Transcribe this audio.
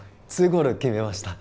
２ゴール決めました